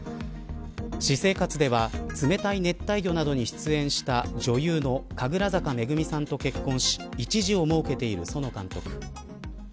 私生活では冷たい熱帯魚などに出演した女優の神楽坂恵さんと結婚し一児をもうけている園監督。